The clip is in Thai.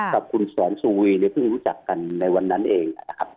กับคุณสวรรค์สวีพึ่งรู้จักกันในวันนั้นเอง